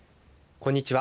こんにちは。